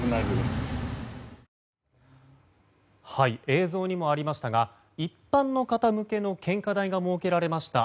映像にもありましたが一般の方向けの献花台が設けられました